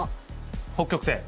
北極星。